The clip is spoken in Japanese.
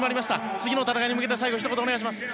次の戦いに向けてひと言、お願いします。